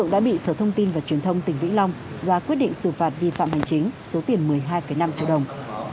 đã bị sở thông tin và truyền thông tỉnh vĩnh long ra quyết định xử phạt vi phạm hành chính số tiền một mươi hai năm triệu đồng